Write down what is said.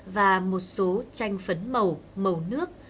và một số tranh phấn màu màu nước